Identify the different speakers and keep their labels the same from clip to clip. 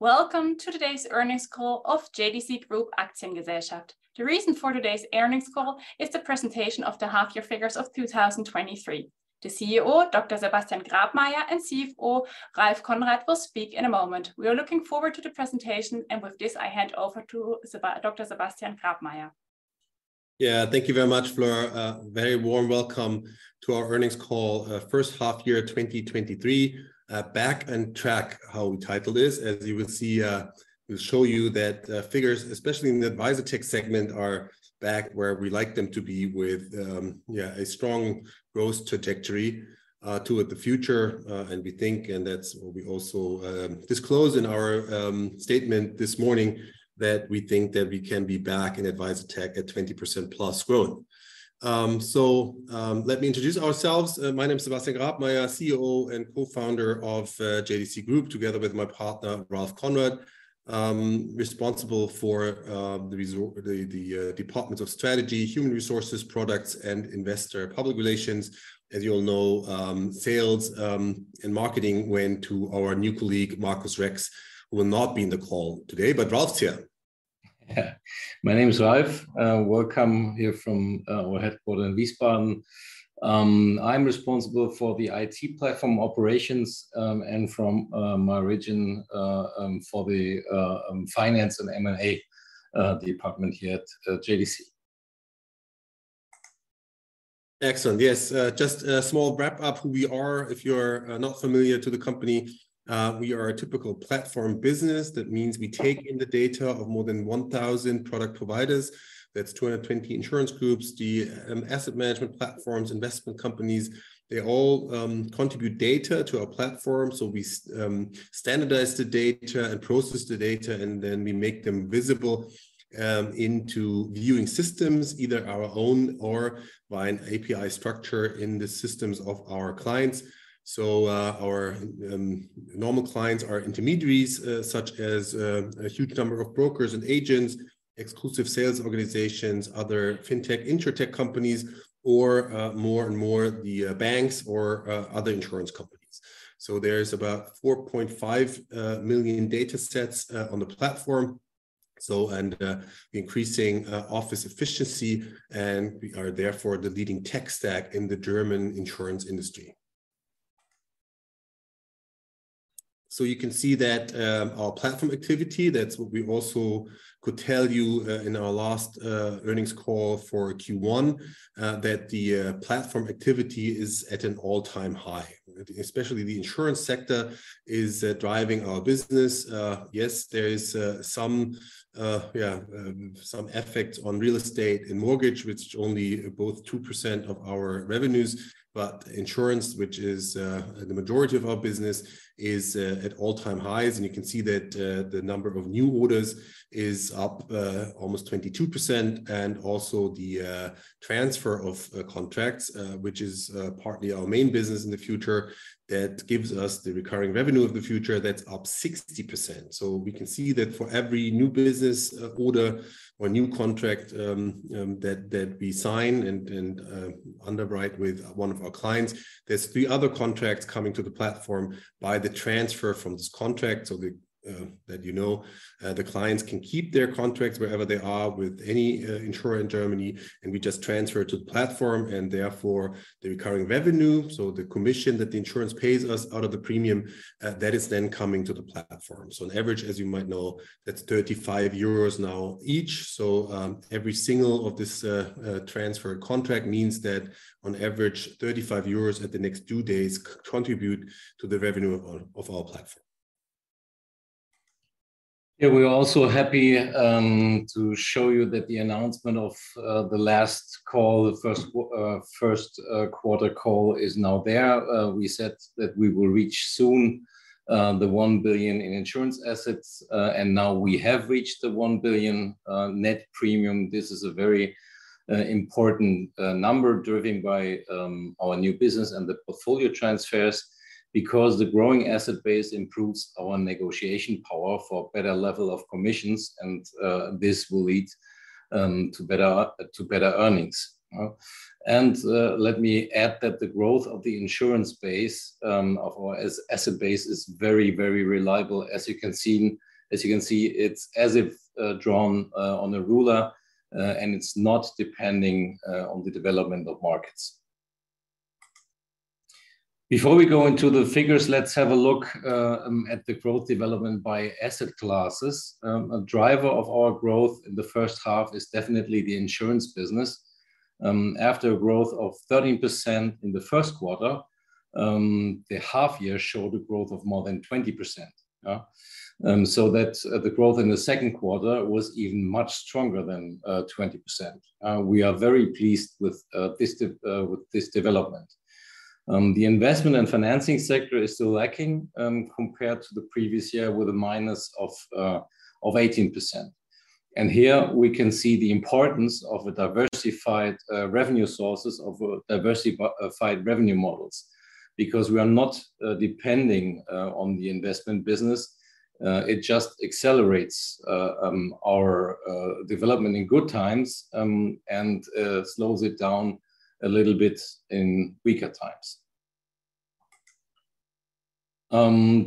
Speaker 1: Welcome to today's earnings call of JDC Group Aktiengesellschaft. The reason for today's earnings call is the presentation of the half-year figures of 2023. The CEO, Dr. Sebastian Grabmaier, and CFO, Ralph Konrad, will speak in a moment. We are looking forward to the presentation. With this, I hand over to Dr. Sebastian Grabmaier.
Speaker 2: Yeah, thank you very much, Fleur. A very warm welcome to our earnings call, first half year, 2023. Back on Track, how we titled this? As you will see, we'll show you that figures, especially in the AdvisorTech segment, are back where we like them to be with, yeah, a strong growth trajectory toward the future. We think, and that's what we also disclosed in our statement this morning, that we think that we can be back in AdvisorTech at 20%+ growth. Let me introduce ourselves. My name is Sebastian Grabmaier, CEO and co-founder of JDC Group, together with my partner, Ralph Konrad. Responsible for the Department of Strategy, Human Resources, Products, and Investor Public Relations. As you all know, sales, and marketing went to our new colleague, Marcus Rex, who will not be in the call today, but Ralph's here.
Speaker 3: My name is Ralph. Welcome here from our headquarter in Wiesbaden. I'm responsible for the IT platform operations, and from my region, for the Finance and M&A department here at JDC.
Speaker 2: Excellent. Yes, just a small wrap-up who we are. If you're not familiar to the company, we are a typical platform business. That means we take in the data of more than 1,000 product providers. That's 220 insurance groups, the asset management platforms, investment companies. They all contribute data to our platform, so we standardize the data and process the data, and then we make them visible into viewing systems, either our own or by an API structure in the systems of our clients. Our normal clients are intermediaries, such as a huge number of brokers and agents, exclusive sales organizations, other Fintech, Insurtech companies, or more and more, the banks or other insurance companies. There's about 4.5 million data sets on the platform. Increasing office efficiency, and we are therefore the leading tech stack in the German insurance industry. You can see that our platform activity, that's what we also could tell you in our last earnings call for Q1, that the platform activity is at an all-time high. Especially the insurance sector is driving our business. Yes, there is some effect on real estate and mortgage, which only both 2% of our revenues, but insurance, which is the majority of our business, is at all-time highs. You can see that the number of new orders is up almost 22%, and also the transfer of contracts, which is partly our main business in the future, that gives us the recurring revenue of the future, that's up 60%. We can see that for every new business order or new contract that we sign and underwrite with one of our clients, there's three other contracts coming to the platform by the transfer from this contract. That you know, the clients can keep their contracts wherever they are with any insurer in Germany, and we just transfer to the platform, and therefore, the recurring revenue, so the commission that the insurance pays us out of the premium, that is then coming to the platform. On average, as you might know, that's 35 euros now each. Every single of this transfer contract means that on average, 35 euros at the next due days contribute to the revenue of our, of our platform.
Speaker 3: Yeah, we're also happy to show you that the announcement of the last call, the first quarter call, is now there. We said that we will reach soon the 1 billion in insurance assets, and now we have reached the 1 billion net premium. This is a very important number driven by our new business and the portfolio transfers, because the growing asset base improves our negotiation power for better level of commissions, and this will lead to better earnings. Let me add that the growth of the insurance base of our asset base is very, very reliable. As you can see, it's as if drawn on a ruler, and it's not depending on the development of markets. Before we go into the figures, let's have a look at the growth development by asset classes. A driver of our growth in the first half is definitely the insurance business. After a growth of 13% in the first quarter, the half year showed a growth of more than 20%, so that the growth in the second quarter was even much stronger than 20%. We are very pleased with this development. The investment and financing sector is still lacking, compared to the previous year, with a minus of 18%. Here we can see the importance of a diversified revenue sources, of a diversified revenue models, because we are not depending on the investment business. It just accelerates our development in good times and slows it down a little bit in weaker times.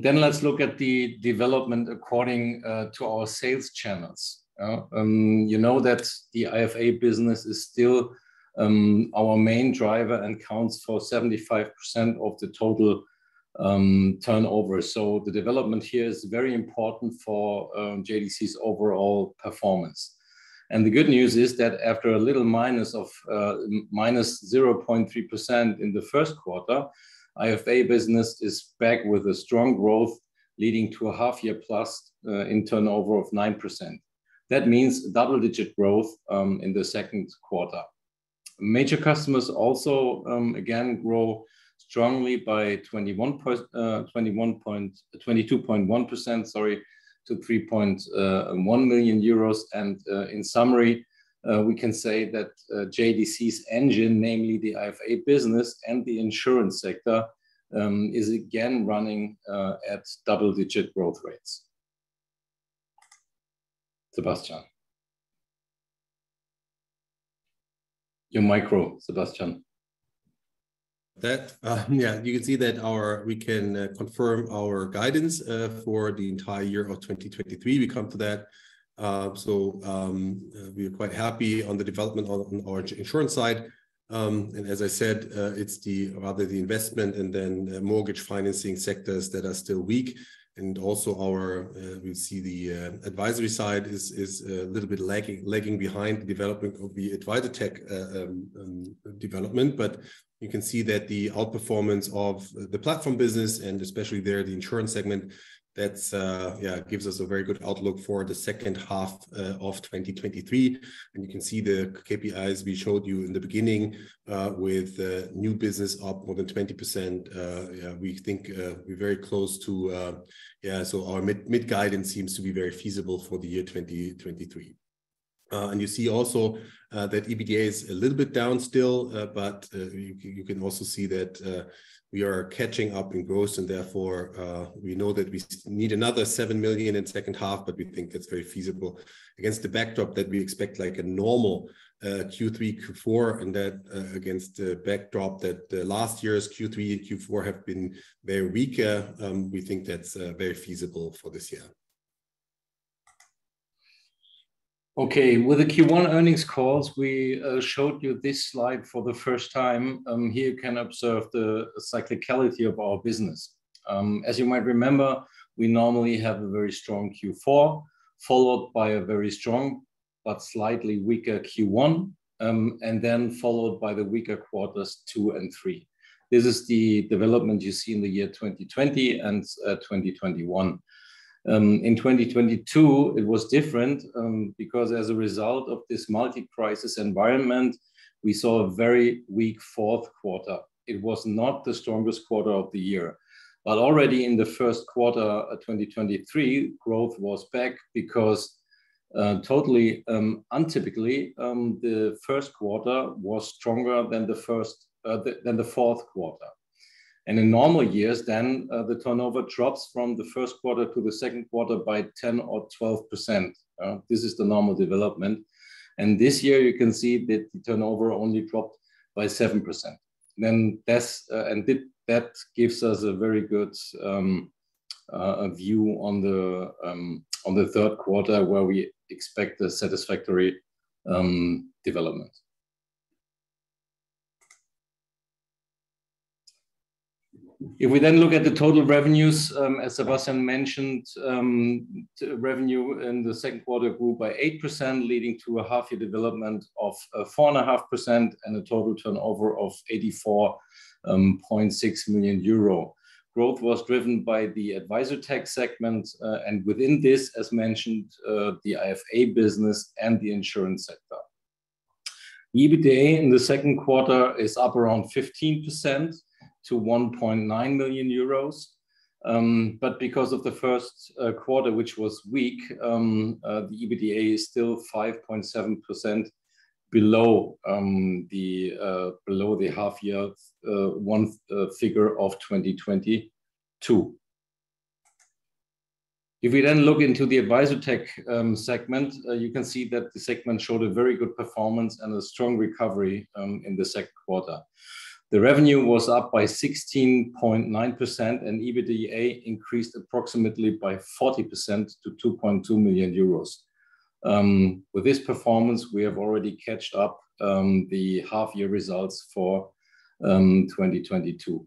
Speaker 3: Let's look at the development according to our sales channels. You know that the IFA business is still our main driver and accounts for 75% of the total turnover. The development here is very important for JDC's overall performance. The good news is that after a little minus of minus 0.3% in the first quarter, IFA business is back with a strong growth, leading to a half-year plus in turnover of 9%. That means double-digit growth in the second quarter. Major customers also again grow strongly by 22.1%, sorry, to 3.1 million euros. In summary, we can say that JDC's engine, namely the IFA business and the insurance sector, is again running at double-digit growth rates. Sebastian. Your micro, Sebastian.
Speaker 2: That, yeah, you can see that our we can confirm our guidance for the entire year of 2023. We come to that. We are quite happy on the development on, on our insurance side. As I said, it's the rather the investment and then the mortgage financing sectors that are still weak. Also our, we see the advisory side is, is a little bit lagging, lagging behind the development of the AdvisorTech development. You can see that the outperformance of the platform business, and especially there, the insurance segment, that's, it gives us a very good outlook for the second half of 2023. You can see the KPIs we showed you in the beginning, with new business up more than 20%. Yeah, our mid, mid-guidance seems to be very feasible for the year 2023. You see also that EBITDA is a little bit down still, but you, you can also see that we are catching up in growth, and therefore, we know that we need another 7 million in second half, but we think that's very feasible against the backdrop that we expect like a normal Q3, Q4, and that against the backdrop that the last year's Q3 and Q4 have been very weaker. We think that's very feasible for this year.
Speaker 3: Okay. With the Q1 earnings calls, we showed you this slide for the first time. Here you can observe the cyclicality of our business. As you might remember, we normally have a very strong Q4, followed by a very strong but slightly weaker Q1, and then followed by the weaker quarters two and three. This is the development you see in the year 2020 and 2021. In 2022, it was different because as a result of this multi-crisis environment, we saw a very weak fourth quarter. It was not the strongest quarter of the year. Already in the first quarter of 2023, growth was back because totally untypically, the first quarter was stronger than the fourth quarter. In normal years, then, the turnover drops from the first quarter to the second quarter by 10% or 12%. This is the normal development. This year, you can see that the turnover only dropped by 7%. That's and that, that gives us a very good view on the third quarter, where we expect a satisfactory development. If we then look at the total revenues, as Sebastian mentioned, the revenue in the second quarter grew by 8%, leading to a half-year development of 4.5% and a total turnover of 84.6 million euro. Growth was driven by the AdvisorTech segment, and within this, as mentioned, the IFA business and the insurance sector. EBITDA in the second quarter is up around 15% to 1.9 million euros. Because of the first quarter, which was weak, the EBITDA is still 5.7% below the half-year one figure of 2022. If we then look into the AdvisorTech segment, you can see that the segment showed a very good performance and a strong recovery in the second quarter. The revenue was up by 16.9%, and EBITDA increased approximately by 40% to 2.2 million euros. With this performance, we have already caught up the half-year results for 2022.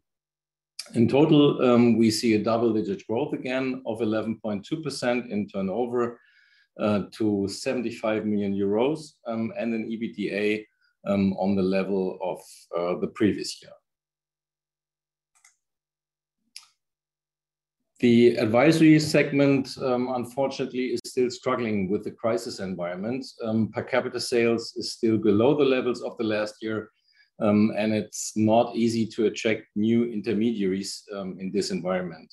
Speaker 3: In total, we see a double-digit growth again of 11.2% in turnover to 75 million euros and an EBITDA on the level of the previous year. The advisory segment, unfortunately, is still struggling with the crisis environment. Per capita sales is still below the levels of the last year, and it's not easy to attract new intermediaries in this environment.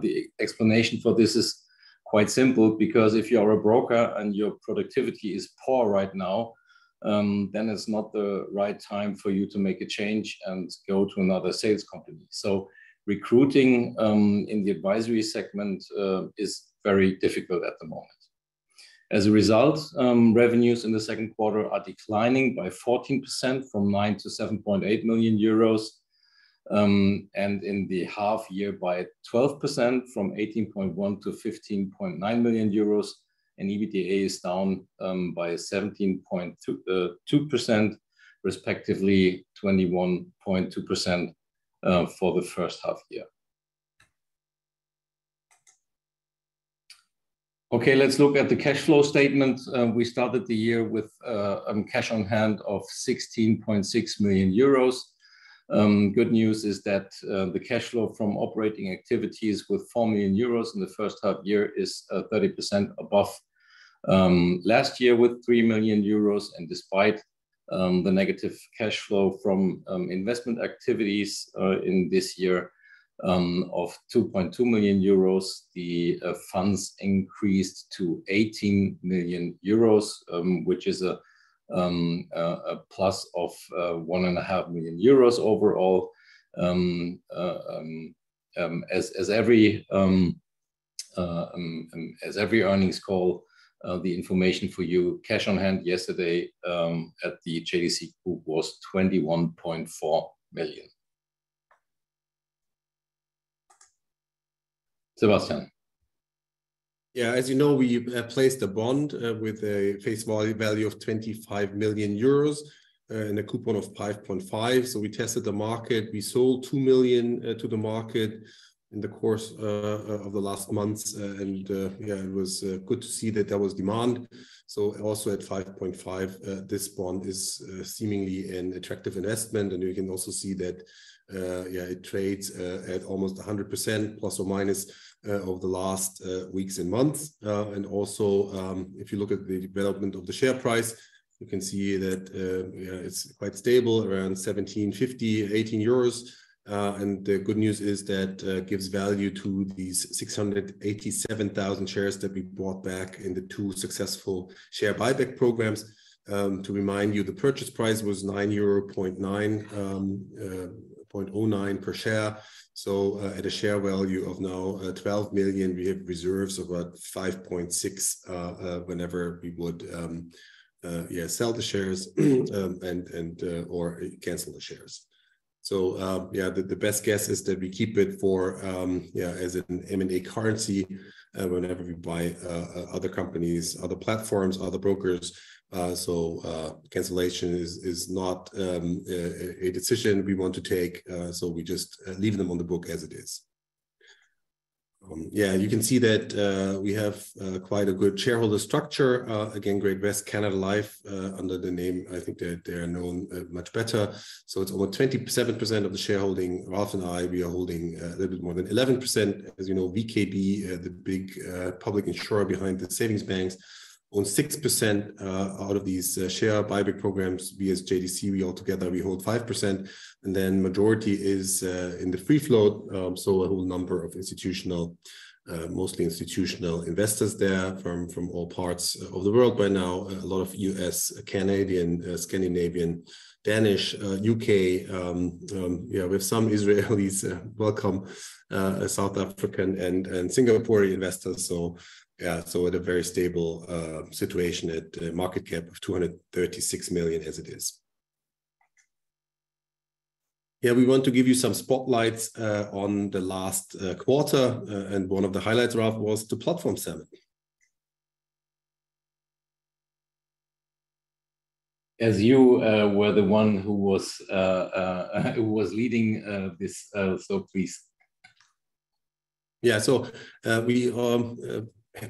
Speaker 3: The explanation for this is quite simple, because if you are a broker and your productivity is poor right now, then it's not the right time for you to make a change and go to another sales company. Recruiting in the Advisory segment is very difficult at the moment. As a result, revenues in the second quarter are declining by 14%, from 9 million-7.8 million euros, and in the half year by 12%, from 18.1 million-15.9 million euros. EBITDA is down by 17.2, 2%, respectively 21.2%, for the first half year. Okay, let's look at the cash flow statement. We started the year with cash on hand of 16.6 million euros. Good news is that the cash flow from operating activities with 4 million euros in the first half year is 30% above last year with 3 million euros. Despite the negative cash flow from investment activities in this year, of 2.2 million euros, the funds increased to 18 million euros, which is a plus of 1.5 million euros overall. As every earnings call, the information for you, cash on hand yesterday, at the JDC Group was 21.4 million. Sebastian.
Speaker 2: Yeah, as you know, we placed a bond with a face value, value of 25 million euros, and a coupon of 5.5%. We tested the market. We sold 2 million to the market in the course of the last months, and yeah, it was good to see that there was demand. Also at 5.5%, this bond is seemingly an attractive investment, and you can also see that yeah, it trades at almost 100%, plus or minus over the last weeks and months. And also, if you look at the development of the share price, you can see that yeah, it's quite stable, around 17.50-18 euros. And the good news is that gives value to these 687,000 shares that we bought back in the two successful share buyback programs. To remind you, the purchase price was 9.9 euro, 0.09 per share. At a share value of now 12 million, we have reserves of about 5.6, whenever we would, yeah, sell the shares, and, or cancel the shares. Yeah, the best guess is that we keep it for, yeah, as an M&A currency, whenever we buy other companies, other platforms, other brokers. Cancellation is not a decision we want to take, so we just leave them on the book as it is. Yeah, you can see that we have quite a good shareholder structure. Again, Great-West Life and Canada Life, under the name, I think they're, they are known much better. It's over 27% of the shareholding. Ralf and I, we are holding a little bit more than 11%. As you know, VKB, the big public insurer behind the savings banks, owns 6% out of these share buyback programs. We as JDC, we all together, we hold 5%, majority is in the free float. A whole number of institutional, mostly institutional investors there from, from all parts of the world by now, a lot of U.S., Canadian, Scandinavian, Danish, U.K. We have some Israelis, welcome, South African and Singaporean investors. Yeah, so at a very stable situation at a market cap of 236 million as it is. Yeah, we want to give you some spotlights on the last quarter, and one of the highlights, Ralph, was the Platform Summit.
Speaker 3: As you, were the one who was, who was leading, this, so please.
Speaker 2: Yeah, so we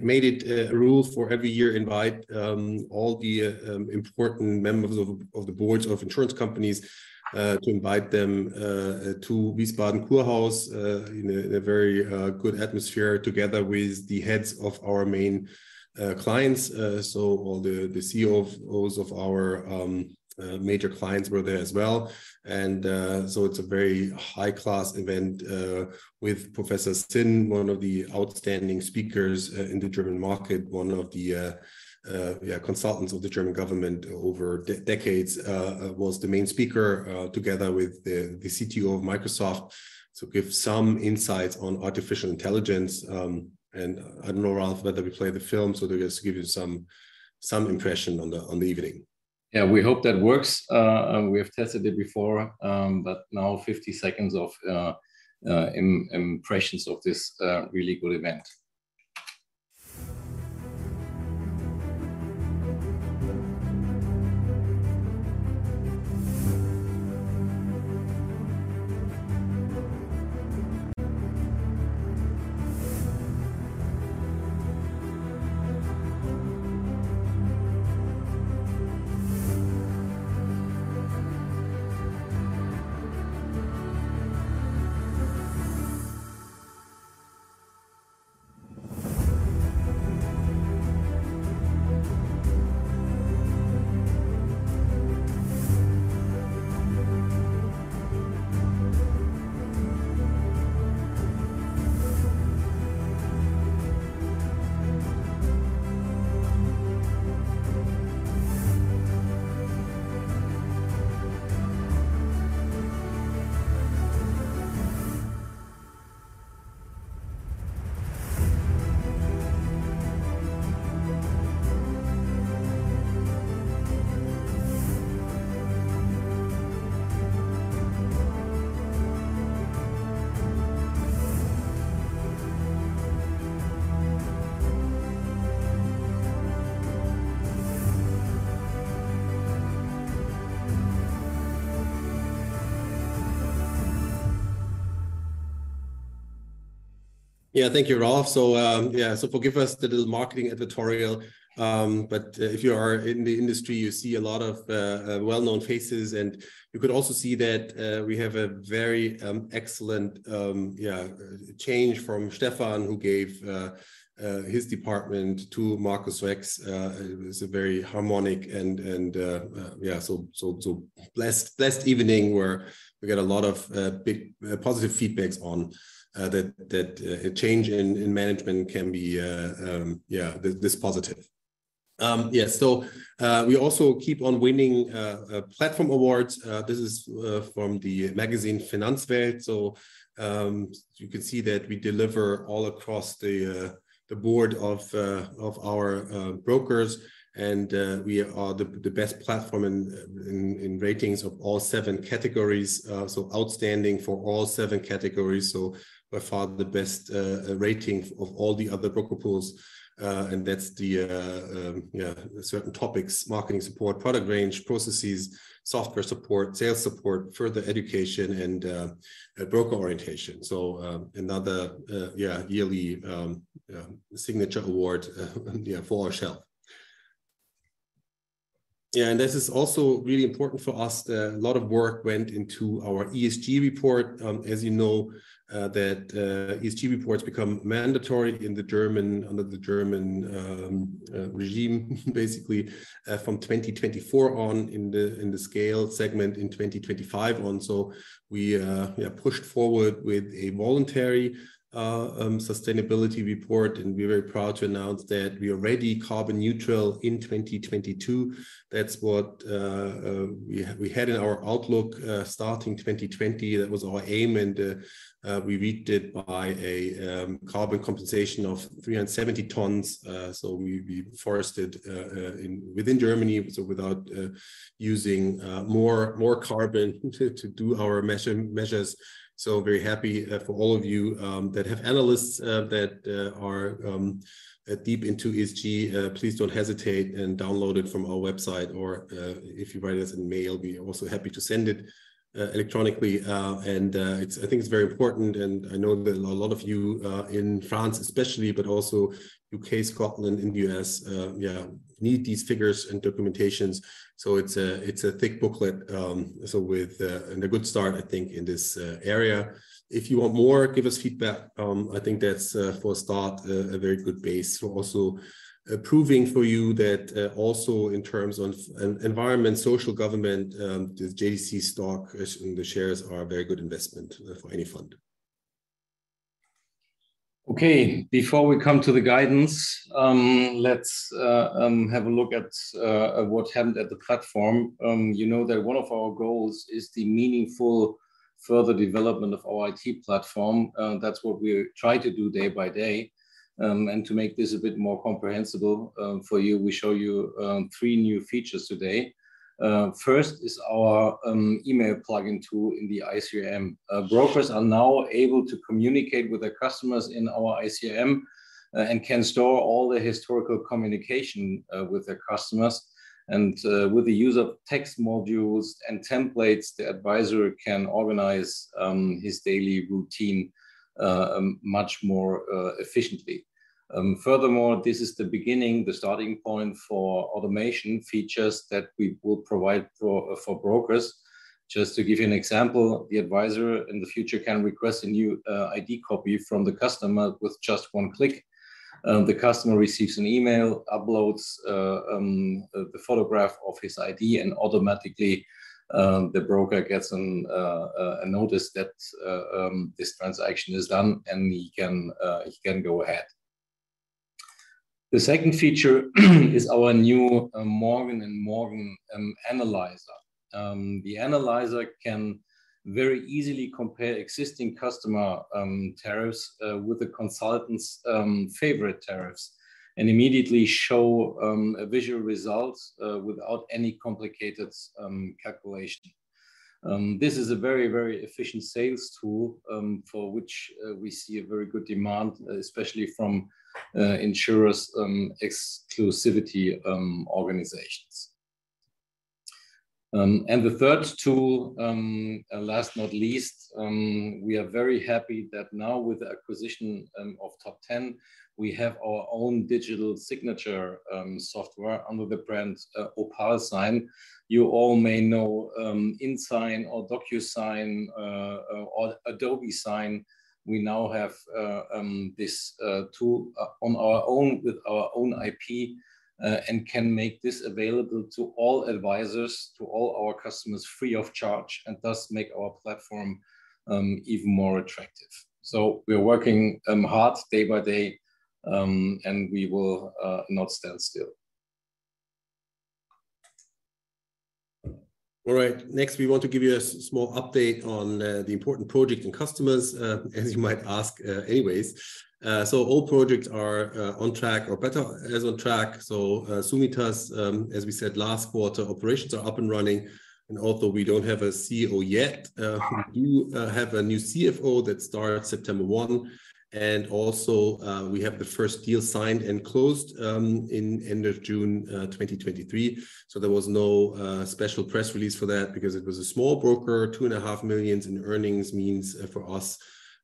Speaker 2: made it a rule for every year invite all the important members of the boards of insurance companies to invite them to Wiesbaden Kurhaus in a very good atmosphere, together with the heads of our main clients. All the CEO of all of our major clients were there as well. It's a very high-class event with Professor Sinn, one of the outstanding speakers in the German market. One of the consultants of the German government over decades was the main speaker together with the CTO of Microsoft to give some insights on artificial intelligence. I don't know, Ralph, whether we play the film, so to just give you some, some impression on the, on the evening.
Speaker 3: Yeah, we hope that works. We have tested it before. Now 50 seconds of impressions of this really good event.
Speaker 2: Yeah, thank you, Ralph. Yeah, so forgive us the little marketing editorial, but if you are in the industry, you see a lot of well-known faces, and you could also see that we have a very excellent, yeah, change from Stefan, who gave his department to Marcus Rex. It's a very harmonic and yeah, blessed, blessed evening, where we got a lot of big positive feedbacks on that, that a change in management can be yeah, this, this positive. Yeah, we also keep on winning platform awards. This is from the magazine, finanzwelt. You can see that we deliver all across the board of our brokers, we are the best platform in ratings of all seven categories. Outstanding for all seven categories, so by far the best rating of all the other broker pools. That's the certain topics, marketing support, product range, processes, software support, sales support, further education, and broker orientation. Another yearly signature award for ourself. This is also really important for us. A lot of work went into our ESG report. As you know, ESG reports become mandatory in the German under the German regime from 2024 on, in the Scale segment in 2025 on. We, we have pushed forward with a voluntary sustainability report, and we're very proud to announce that we are already carbon neutral in 2022. That's what we, we had in our outlook, starting 2020. That was our aim, and we reached it by a carbon compensation of 370 tons. We, forested in, within Germany, so without using more, more carbon to, to do our measures. Very happy for all of you that have analysts that are deep into ESG. Please don't hesitate and download it from our website, or if you write us an email, we are also happy to send it electronically. I think it's very important, and I know that a lot of you in France especially, but also U.K., Scotland, and the U.S., yeah, need these figures and documentations. It's a thick booklet, so with a good start, I think, in this area. If you want more, give us feedback. I think that's for a start, a very good base for also proving for you that also in terms of environment, social, government, the JDC stock, the shares are a very good investment for any fund.
Speaker 3: Okay, before we come to the guidance, let's have a look at what happened at the platform. You know that one of our goals is the meaningful further development of our IT platform. That's what we try to do day by day. To make this a bit more comprehensible for you, we show you three new features today. First is our email plugin tool in the iCRM. Brokers are now able to communicate with their customers in our iCRM and can store all the historical communication with their customers. With the use of text modules and templates, the advisor can organize his daily routine much more efficiently. Furthermore, this is the beginning, the starting point for automation features that we will provide for brokers. Just to give you an example, the advisor in the future can request a new ID copy from the customer with just one click. The customer receives an email, uploads the photograph of his ID, and automatically the broker gets a notice that this transaction is done, and he can he can go ahead. The second feature is our new MORGEN & MORGEN Analyzer. The analyzer can very easily compare existing customer tariffs with the consultant's favorite tariffs, and immediately show a visual results without any complicated calculation. This is a very, very efficient sales tool for which we see a very good demand especially from insurers' exclusivity organizations. The third tool, and last not least, we are very happy that now with the acquisition of Top Ten, we have our own digital signature software under the brand Opal-Sign. You all may know inSign or DocuSign or Adobe Sign. We now have this tool on our own, with our own IP, and can make this available to all advisors, to all our customers free of charge, and thus make our platform even more attractive. We're working hard day by day, and we will not stand still.
Speaker 2: All right, next, we want to give you a small update on the important project and customers, as you might ask, anyways. All projects are on track or better as on track. Summitas, as we said last quarter, operations are up and running, and although we don't have a CEO yet, we do have a new CFO that started September 1, and also, we have the first deal signed and closed, in end of June, 2023. There was no special press release for that because it was a small broker. 2.5 million in earnings means, for us,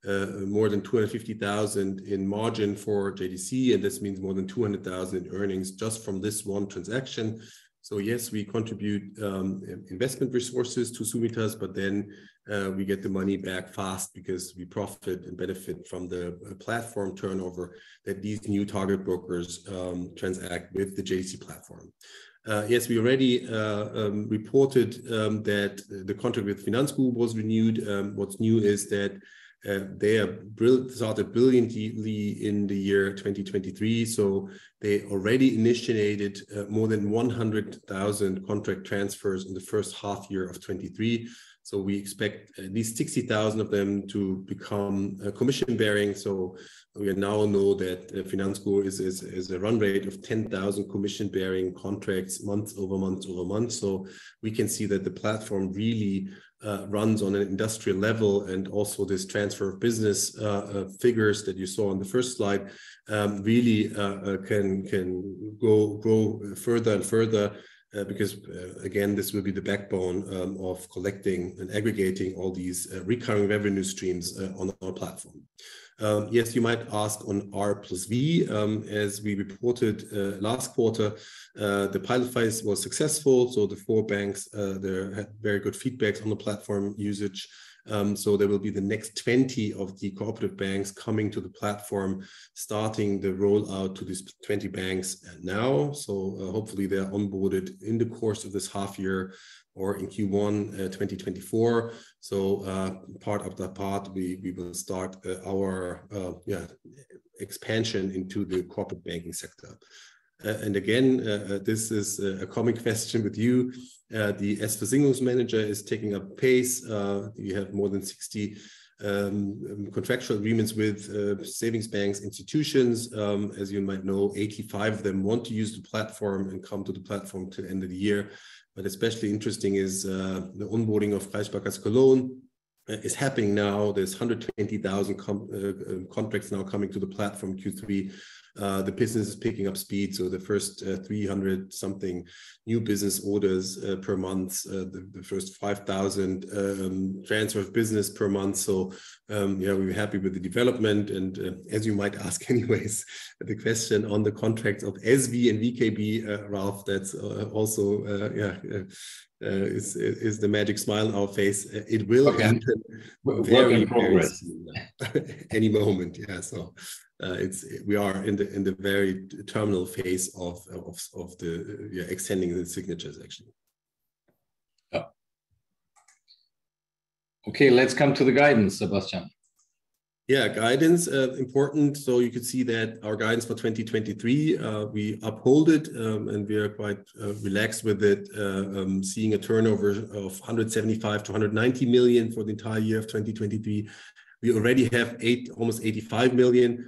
Speaker 2: more than 250,000 in margin for JDC, and this means more than 200,000 in earnings just from this one transaction. Yes, we contribute investment resources to Summitas, but then we get the money back fast because we profit and benefit from the platform turnover that these new target brokers transact with the JDC platform. Yes, we already reported that the contract with Finanzguru was renewed. What's new is that they have started billing deeply in the year 2023, so they already initiated more than 100,000 contract transfers in the first half year of 2023. We expect at least 60,000 of them to become commission-bearing. We now know that Finanzguru is a run rate of 10,000 commission-bearing contracts month-over-month-over-month. We can see that the platform really runs on an industrial level, and also this transfer of business figures that you saw on the first slide really can go further and further. Again, this will be the backbone of collecting and aggregating all these recurring revenue streams on our platform. You might ask on R+V. As we reported last quarter, the pilot phase was successful, so the four banks they had very good feedbacks on the platform usage. There will be the next 20 of the cooperative banks coming to the platform, starting the rollout to these 20 banks now. Hopefully, they're onboarded in the course of this half year or in Q1 2024. Part after part, we, we will start our, yeah, expansion into the corporate banking sector. Again, this is a common question with you. The Ersatzsingles manager is picking up pace. We have more than 60 contractual agreements with savings banks, institutions. As you might know, 85 of them want to use the platform and come to the platform to end of the year. Especially interesting is the onboarding of Kreissparkasse Köln is happening now. There's 120,000 contracts now coming to the platform, Q3. The business is picking up speed, the first 300 something new business orders per month, the first 5,000 transfer of business per month. Yeah, we're happy with the development. As you might ask anyways, the question on the contract of SV and VKB, Ralph, that's also, yeah, is, is the magic smile on our face.
Speaker 3: Work in progress.
Speaker 2: Any moment. Yeah, we are in the very terminal phase of the extending the signatures, actually.
Speaker 3: Let's come to the guidance, Sebastian.
Speaker 2: Yeah, guidance important. You could see that our guidance for 2023, we uphold it, and we are quite relaxed with it, seeing a turnover of 175 million-190 million for the entire year of 2023. We already have almost 85 million,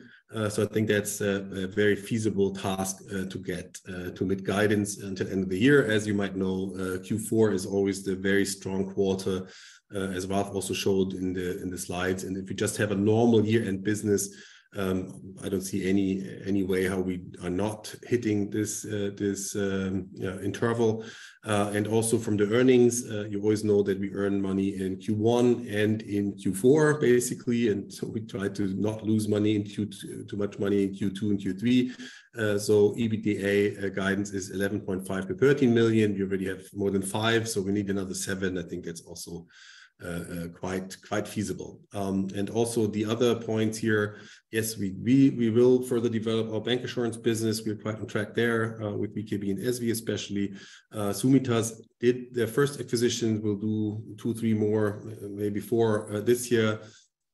Speaker 2: so I think that's a very feasible task to get to meet guidance until end of the year. As you might know, Q4 is always the very strong quarter, as Ralph also showed in the slides. If we just have a normal year-end business, I don't see any way how we are not hitting this interval. From the earnings, you always know that we earn money in Q1 and in Q4, basically. So we try to not lose too much money in Q2 and Q3. EBITDA guidance is 11.5 million-13 million. We already have more than 5 million, so we need another 7 million. I think that's also quite, quite feasible. The other point here, yes, we, we, we will further develop our bancassurance business. We are quite on track there with VKB and SV especially. Summitas did their first acquisitions. We'll do two, three more, maybe four this year,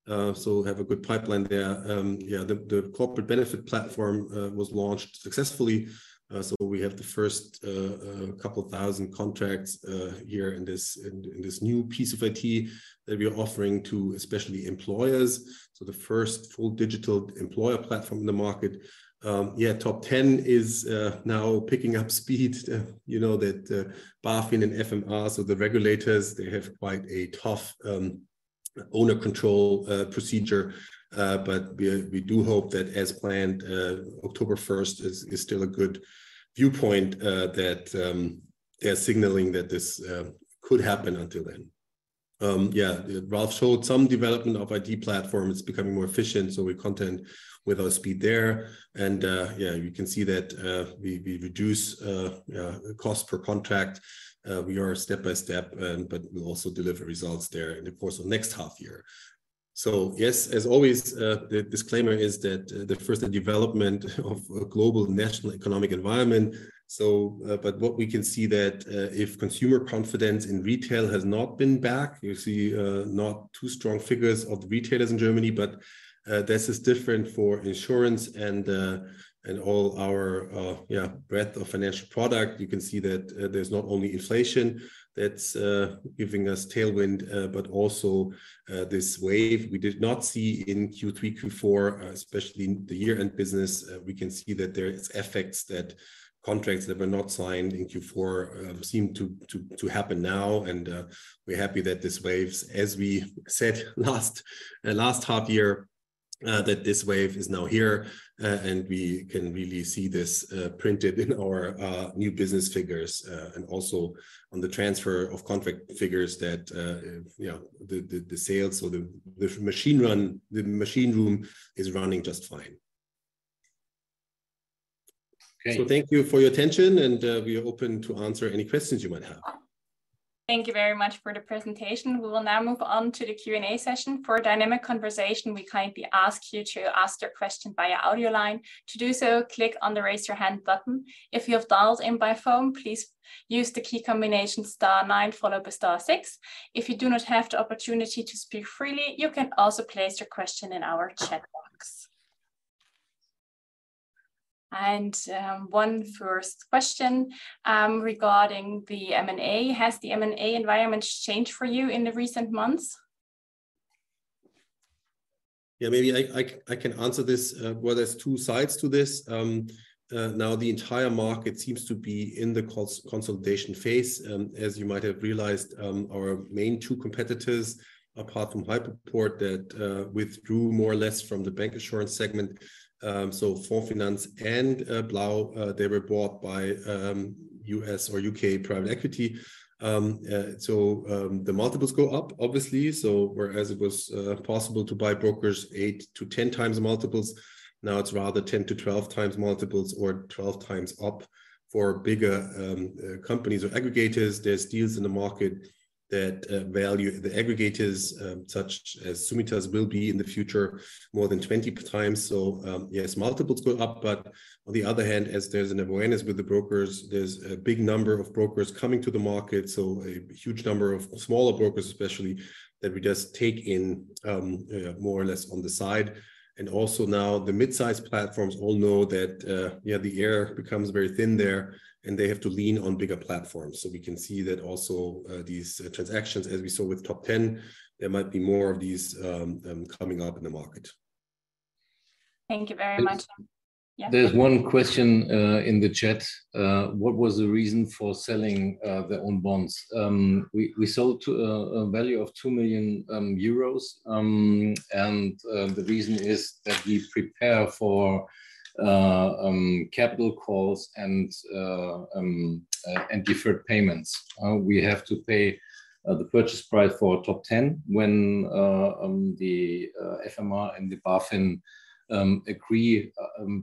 Speaker 2: so we have a good pipeline there. The corporate benefit platform was launched successfully, so we have the 1st couple of 1,000 contracts here in this new piece of IT that we are offering to especially employers. So the 1st full digital employer platform in the market. Top Ten is now picking up speed. You know that BaFin and FMA, so the regulators, they have quite a tough owner control procedure. We do hope that as planned, October 1st is still a good viewpoint that they're signaling that this could happen until then. Ralph showed some development of ID platform. It's becoming more efficient, so we're content with our speed there. You can see that we reduce cost per contract. We are step by step, but we'll also deliver results there in the course of next half year. Yes, as always, the disclaimer is that the first, the development of a global national economic environment. What we can see that if consumer confidence in retail has not been back, you see not too strong figures of the retailers in Germany, but this is different for insurance and and all our breadth of financial product. You can see that there's not only inflation that's giving us tailwind, but also this wave we did not see in Q3, Q4, especially in the year-end business. We can see that there is effects that contracts that were not signed in Q4 seem to happen now. We're happy that this waves, as we said last, last half year, that this wave is now here. We can really see this printed in our new business figures. Also on the transfer of contract figures that, you know, the, the, the sales or the machine room is running just fine.
Speaker 3: Okay.
Speaker 2: Thank you for your attention, and we are open to answer any questions you might have.
Speaker 1: Thank you very much for the presentation. We will now move on to the Q&A session. For a dynamic conversation, we kindly ask you to ask your question via audio line. To do so, click on the Raise Your Hand button. If you have dialed in by phone, please use the key combination star nine, followed by star six. If you do not have the opportunity to speak freely, you can also place your question in our chat box. One first question regarding the M&A. Has the M&A environment changed for you in the recent months?
Speaker 2: Yeah, maybe I can answer this. Well, there's two sides to this. Now the entire market seems to be in the consolidation phase. As you might have realized, our main two competitors, apart from Hypoport, that withdrew more or less from the bancassurance segment. Fonds Finanz and Blau, they were bought by U.S. or U.K. private equity. The multiples go up, obviously. Whereas it was possible to buy brokers 8x-10xmultiples, now it's rather 10x-12x multiples or 12xup. For bigger companies or aggregators, there's deals in the market that value the aggregators, such as Summitas, will be in the future more than 20 times. Yes, multiples go up, but on the other hand, as there's an awareness with the brokers, there's a big number of brokers coming to the market. A huge number of smaller brokers especially, that we just take in, more or less on the side. Also now the mid-size platforms all know that, you know, the air becomes very thin there, and they have to lean on bigger platforms. We can see that also, these transactions, as we saw with Top Ten, there might be more of these, coming up in the market.
Speaker 1: Thank you very much.
Speaker 3: And there's one question in the chat: What was the reason for selling their own bonds? We, we sold to a value of 2 million euros. The reason is that we prepare for capital calls and deferred payments. We have to pay the purchase price for Top Ten when the FMA and the BaFin agree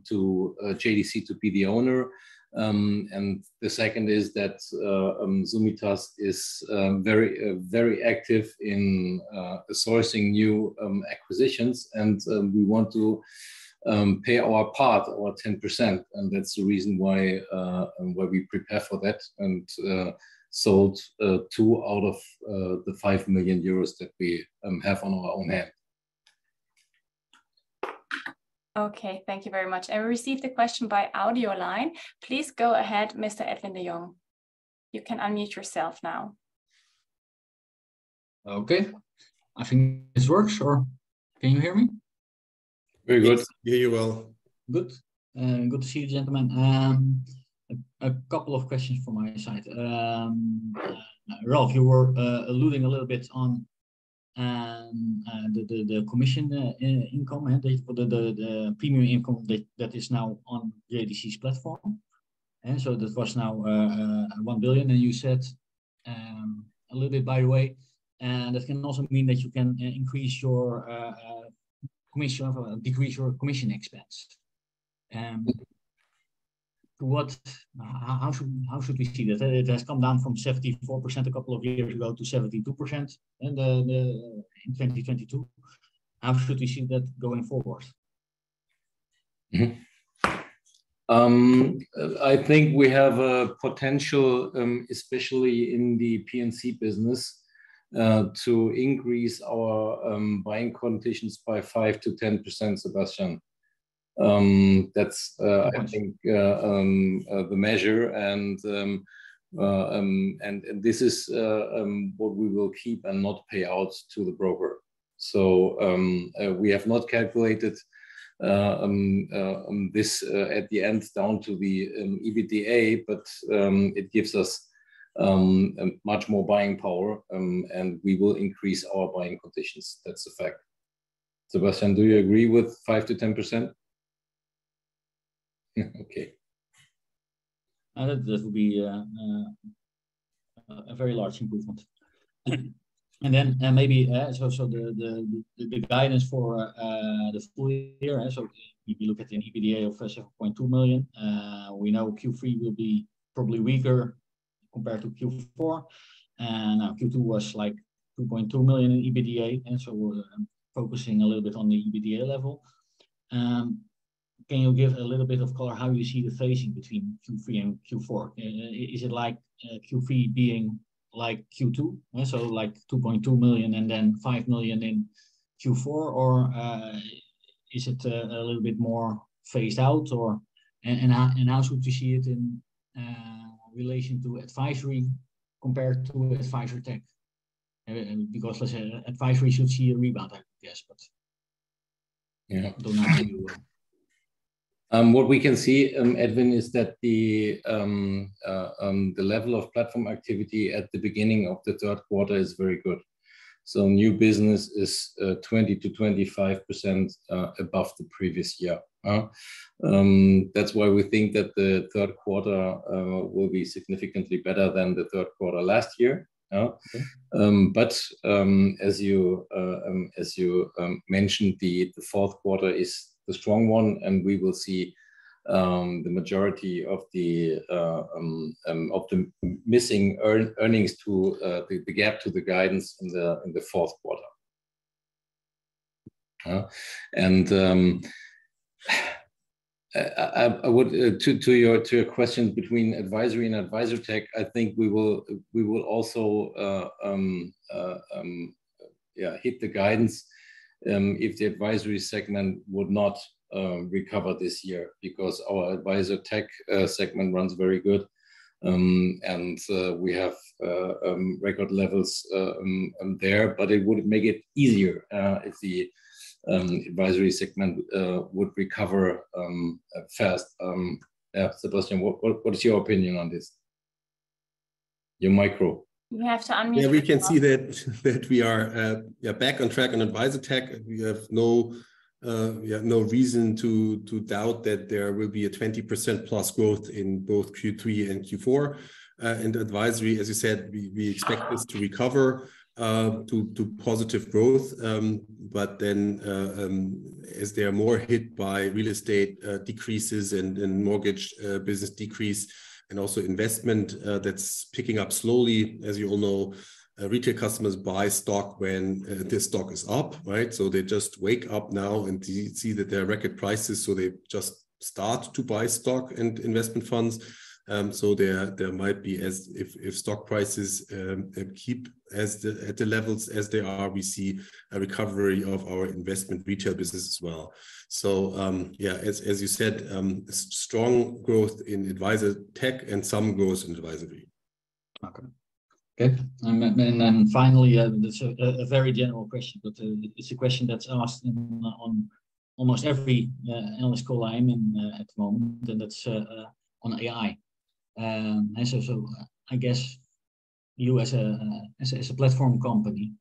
Speaker 3: to JDC to be the owner. The second is that Summitas is very, very active in sourcing new acquisitions, we want to pay our part, our 10%, and that's the reason why we prepare for that and sold two out of the 5 million euros that we have on our own hand.
Speaker 1: Okay, thank you very much. We received a question by audio line. Please go ahead, Mr. Edwin de Jong. You can unmute yourself now.
Speaker 4: Okay, I think this works, or can you hear me?
Speaker 3: Very good.
Speaker 2: Hear you well.
Speaker 4: Good. Good to see you, gentlemen. A couple of questions from my side. Ralph, you were alluding a little bit on the commission income, the premium income that is now on JDC's platform. That was now 1 billion, and you said a little bit by the way, and that can also mean that you can increase your commission or decrease your commission expense. How should, how should we see that? It has come down from 74% a couple of years ago to 72% in 2022. How should we see that going forward?
Speaker 3: Mm-hmm. I think we have a potential, especially in the P&C business, to increase our buying conditions by 5%-10%, Sebastian.
Speaker 4: Gotcha.
Speaker 3: That's I think, the measure, and this is what we will keep and not pay out to the broker. We have not calculated this at the end down to the EBITDA, but it gives us much more buying power, and we will increase our buying conditions. That's a fact. Sebastian, do you agree with 5%-10%?
Speaker 2: Yeah. Okay.
Speaker 4: That would be a very large improvement. The guidance for the full year, if you look at an EBITDA of 7.2 million, we know Q3 will be probably weaker compared to Q4. Now Q2 was like 2.2 million in EBITDA. We're focusing a little bit on the EBITDA level. Can you give a little bit of color how you see the phasing between Q3 and Q4? Is it like Q3 being like Q2? So like 2.2 million and then 5 million in Q4, or is it a little bit more phased out or? How should we see it in to Advisory compared to Advisortech? Let's say Advisory should see a rebound, I guess.
Speaker 3: Yeah.
Speaker 4: I don't know how you.
Speaker 3: What we can see, Edwin, is that the level of platform activity at the beginning of the third quarter is very good. New business is 20%-25% above the previous year. That's why we think that the third quarter will be significantly better than the third quarter last year.
Speaker 4: Okay.
Speaker 3: As you as you mentioned, the 4th quarter is the strong one, and we will see the majority of the missing earnings to the gap to the guidance in the 4th quarter. I would to your to your question between advisory and AdvisorTech, I think we will we will also hit the guidance if the advisory segment would not recover this year, because our AdvisorTech segment runs very good. And we record levels there, but it would make it easier if the Advisory segment would recover fast. Sebastian, what what what is your opinion on this? Your micro.
Speaker 1: You have to unmute your mic.
Speaker 2: Yeah, we can see that, that we are, yeah, back on track on AdvisorTech. We have no, we have no reason to, to doubt that there will be a 20%+ growth in both Q3 and Q4. Advisory, as you said, we expect this to recover to positive growth. Then, as they are more hit by real estate, decreases and, and mortgage, business decrease, and also investment, that's picking up slowly. As you all know, retail customers buy stock when the stock is up, right? They just wake up now and see, see that there are record prices, so they just start to buy stock and investment funds. There, there might be, as if, if stock prices keep at the levels as they are, we see a recovery of our investment retail business as well. Yeah, as you said, strong growth in AdvisorTech and some growth in advisory.
Speaker 3: Okay.
Speaker 4: Okay, finally, there's a very general question, but it's a question that's asked on almost every analyst call I'm in at the moment, and that's on AI. So I guess you as a platform company,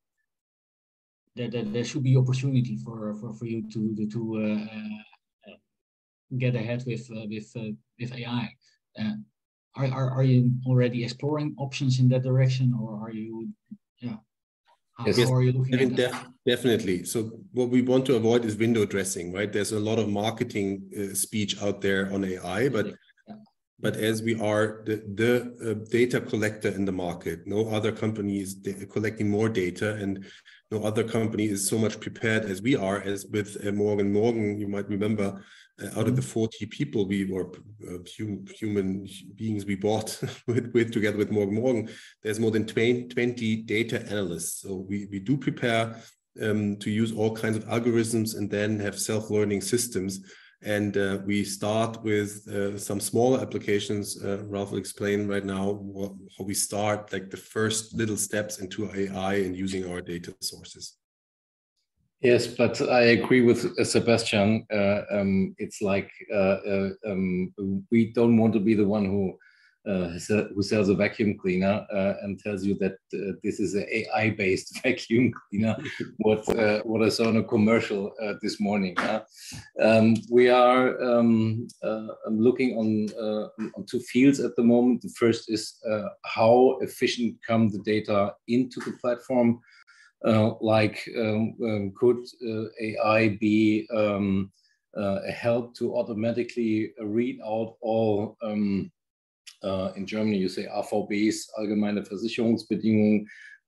Speaker 4: there should be opportunity for you to get ahead with AI. Are you already exploring options in that direction?
Speaker 3: Yeah.
Speaker 2: Yes.
Speaker 4: How are you looking at that?
Speaker 2: Definitely. What we want to avoid is window dressing, right? There's a lot of marketing speech out there on AI.
Speaker 4: Yeah
Speaker 2: But as we are the, the, data collector in the market, no other company is collecting more data, and no other company is so much prepared as we are, MORGEN & MORGEN, you might remember out of the 40 people we work, human beings we bought with, withMORGEN & MORGEN, there's more than 10, 20 data analysts. We, we do prepare to use all kinds of algorithms and then have self-learning systems, and we start with some smaller applications. Ralph will explain right now what, how we start, like, the first little steps into AI and using our data sources.
Speaker 3: Yes, I agree with Sebastian. It's like, we don't want to be the one who sells a vacuum cleaner and tells you that this is a AI-based vacuum cleaner. What I saw on a commercial this morning? We are looking on two fields at the moment. The first is, how efficient come the data into the platform? Like, could AI be a help to automatically read out all in Germany, you say AVB,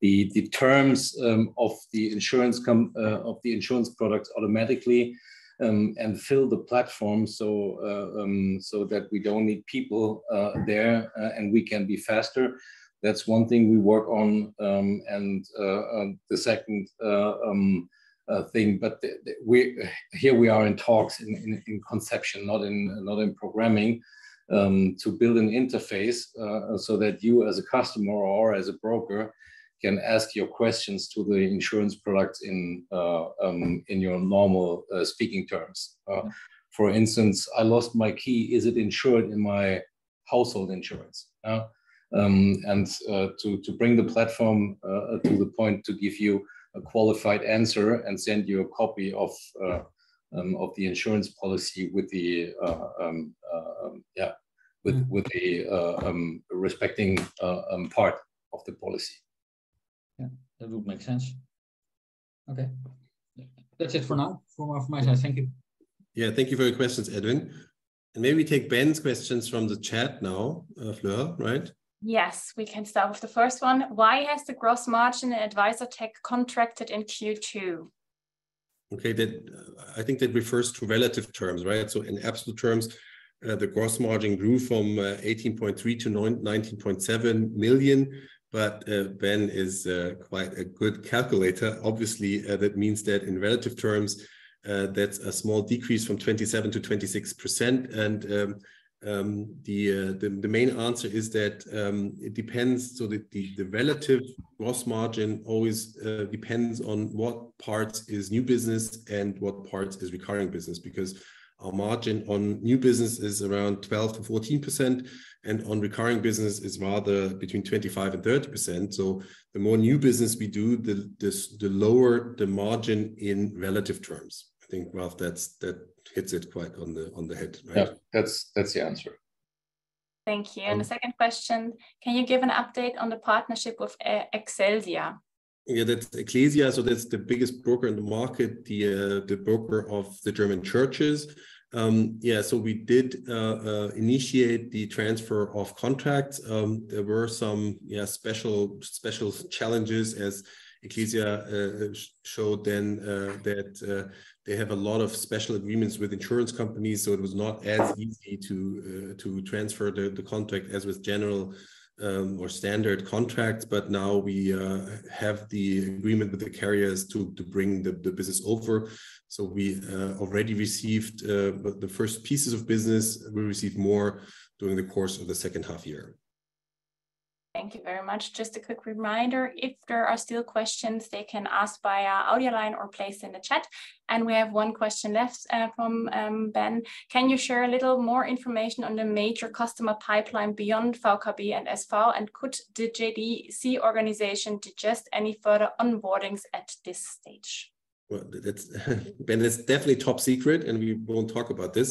Speaker 3: the terms of the insurance products automatically and fill the platform, so that we don't need people there and we can be faster. That's one thing we work on. The second thing, but here we are in talks, in, in, in conception, not in, not in programming, to build an interface, so that you, as a customer or as a broker, can ask your questions to the insurance products in your normal speaking terms. For instance, "I lost my key. Is it insured in my household insurance?" And to bring the platform to the point to give you a qualified answer and send you a copy of the insurance policy with respecting, part of the policy.
Speaker 4: Yeah, that would make sense. Okay. That's it for now, from my side. Thank you.
Speaker 2: Yeah, thank you for your questions, Edwin. Maybe take Ben's questions from the chat now, Fleur, right?
Speaker 1: Yes, we can start with the first one. Why has the gross margin in AdvisorTech contracted in Q2?
Speaker 2: Okay, that, I think that refers to relative terms, right? In absolute terms, the gross margin grew from 18.3 million-19.7 million. Ben is quite a good calculator. Obviously, that means that in relative terms, that's a small decrease from 27%-26%. The main answer is that it depends. The relative gross margin always depends on what part is new business and what part is recurring business. Because our margin on new business is around 12%-14%, and on recurring business is rather between 25%-30%. The more new business we do, the lower the margin in relative terms. I think, Ralph, that's, that hits it quite on the head, right?
Speaker 3: Yeah, that's, that's the answer.
Speaker 1: Thank you. The second question: Can you give an update on the partnership with Ecclesia?
Speaker 2: Yeah, that's Ecclesia Group, so that's the biggest broker in the market, the broker of the German churches. Yeah, we did initiate the transfer of contracts. There were some, yeah, special challenges, as Ecclesia Group showed then that they have a lot of special agreements with insurance companies, so it was not as easy to transfer the contract as with general or standard contracts. Now we have the agreement with the carriers to bring the business over. We already received the first pieces of business, we'll receive more during the course of the second half year.
Speaker 1: Thank you very much. Just a quick reminder, if there are still questions, they can ask via audio line or place in the chat. We have one question left from Ben: Can you share a little more information on the major customer pipeline beyond VKB and SV? Could the JDC organization digest any further onboardings at this stage?
Speaker 2: That's Ben, that's definitely top secret, and we won't talk about this.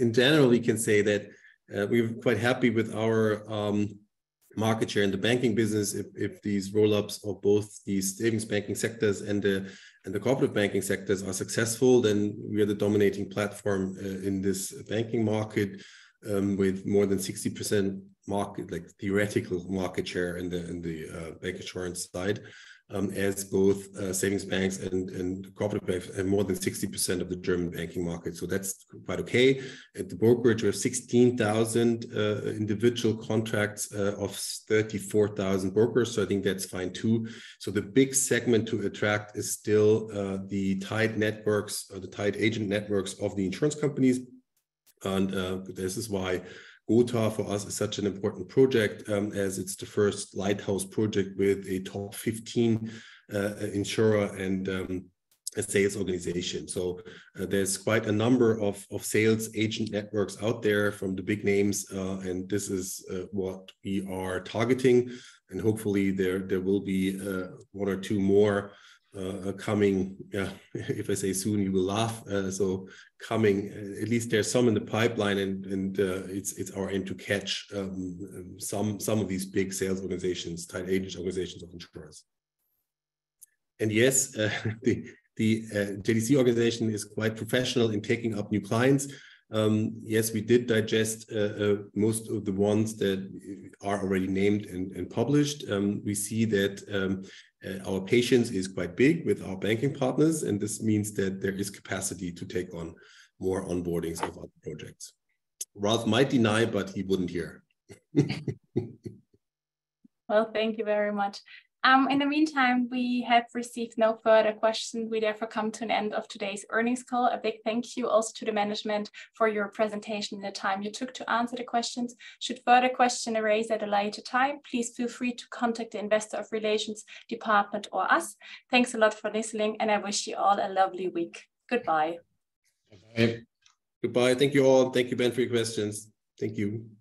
Speaker 2: In general, we can say that we're quite happy with our market share in the banking business. If these roll-ups of both the savings banking sectors and the corporate banking sectors are successful, then we are the dominating platform in this banking market with more than 60% market, like theoretical market share in the bank insurance side, as both savings banks and corporate banks have more than 60% of the German banking market, that's quite okay. At the brokerage, we have 16,000 individual contracts of 34,000 brokers, I think that's fine, too. The big segment to attract is still the tied networks or the tied agent networks of the insurance companies. This is why Gothaer, for us, is such an important project, as it's the first lighthouse project with a top 15 insurer and a sales organization. There's quite a number of sales agent networks out there from the big names, and this is what we are targeting. Hopefully, there will be one or two more coming. If I say soon, you will laugh. At least there are some in the pipeline, and it's our aim to catch some of these big sales organizations, tied agent organizations of insurers. Yes, the JDC organization is quite professional in taking up new clients. Yes, we did digest most of the ones that are already named and published. We see that our patience is quite big with our banking partners, and this means that there is capacity to take on more onboardings of other projects. Ralph might deny, but he wouldn't hear.
Speaker 1: Well, thank you very much. In the meantime, we have received no further questions. We therefore come to an end of today's earnings call. A big thank you also to the management for your presentation and the time you took to answer the questions. Should further questions arise at a later time, please feel free to contact the Investor Relations Department or us. Thanks a lot for listening, and I wish you all a lovely week. Goodbye.
Speaker 2: Bye-bye. Goodbye. Thank you, all. Thank you, Ben, for your questions. Thank you.